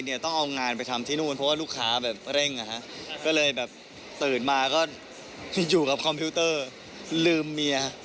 ห้าคนค่ะอืม